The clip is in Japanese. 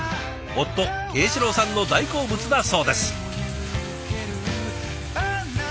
夫啓史郎さんの大好物だそうです。